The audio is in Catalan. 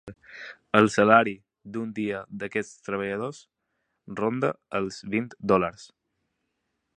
El salari d’un dia d’aquests treballadors ronda els vint dòlars.